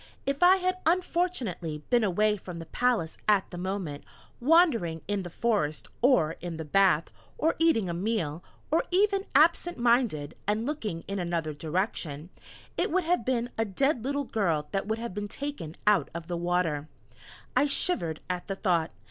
If I had unfortunately been away from the palace at the moment, wandering in the forest, or in the bath, or eating a meal or even absent minded, and looking in another direction, it would have been a dead little girl that would have been taken out of the water. I shivered at the thought!